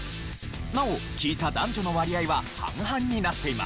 なお聞いた男女の割合は半々になっています。